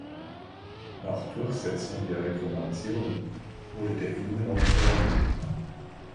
Nach Durchsetzung der Reformation wurde der Innenraum bereinigt.